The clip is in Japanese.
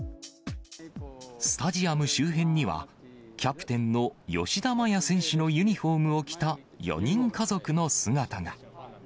スタジアム周辺には、キャプテンの吉田麻也選手のユニホームを着た４人家族の姿が。